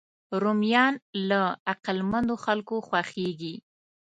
رومیان له عقلمندو خلکو خوښېږي